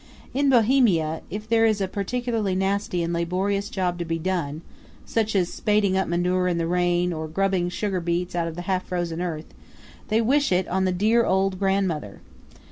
In Bohemia, if there is a particularly nasty and laborious job to be done, such as spading up manure in the rain or grubbing sugar beets out of the half frozen earth, they wish it on the dear old grandmother.